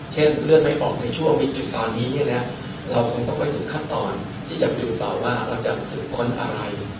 เช่นเลือดไม่ออกในช่วงมิตรจุดตอนนี้เนี่ยเราคงต้องไปสุดขั้นตอนที่จะไปดูต่อว่าเราจะสุดคนอะไร